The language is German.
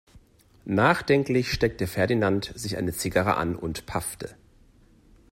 Nachdenklich steckte Ferdinand sich eine Zigarre an und paffte.